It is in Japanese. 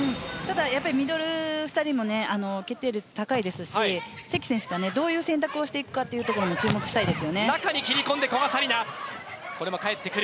ミドル２人の決定率が高いですし関選手がどう選択していくかにも注目したいです。